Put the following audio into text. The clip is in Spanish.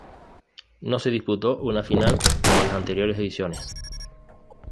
No se disputó una final como en las anteriores ediciones.